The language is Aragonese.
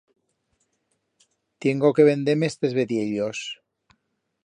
Tiengo que vender-me estes vediellos.